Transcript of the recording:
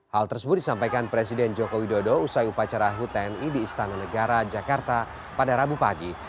hal tersebut disampaikan presiden jokowi dodo usai upacara hutni di istana negara jakarta pada rabu pagi